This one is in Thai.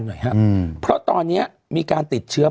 หน่อยฮะเพราะตอนนี้มีการติดเชื้อ